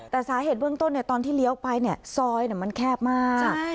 แต่สาเหตุเบื้องต้นตอนที่เลี้ยวไปซอยมันแคบมาก